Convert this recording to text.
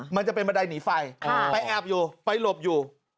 มันจะเป็นบันไดหนีไฟไปแอบอยู่ไปหลบอยู่